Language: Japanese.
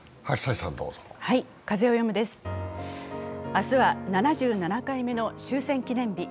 明日は７７回目の終戦記念日。